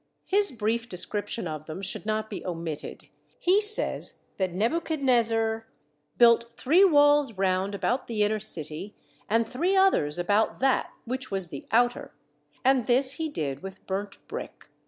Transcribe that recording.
His brief description of them should not be omitted. He says that Nebuchad nezzar built three walls round about the inner city, and three others about that which was the outer; and this he did with burnt brick.